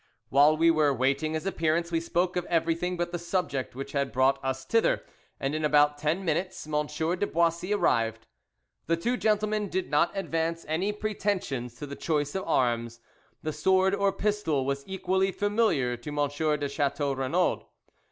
While we were waiting his appearance, we spoke of everything but the subject which had brought us thither, and in about ten minutes Monsieur de Boissy arrived. The two gentlemen did not advance any pretensions to the choice of arms, the sword or pistol was equally familiar to M. de Chateau Renaud.